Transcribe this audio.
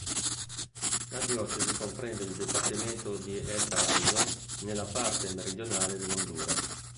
La diocesi comprende il dipartimento di El Paraíso nella parte meridionale dell'Honduras.